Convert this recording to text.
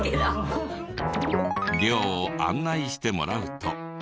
寮を案内してもらうと。